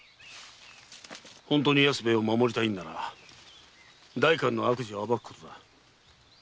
本当に安兵衛を守りたいなら代官の悪事を暴くんだ。